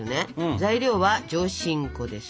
材料は上新粉です。